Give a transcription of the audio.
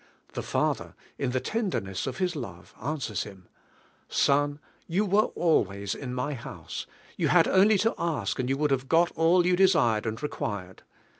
The father, in the tend erness of his love, answers him, •'Sen. you were always in my house, yon had only to ask and you would have go! all you desired and required."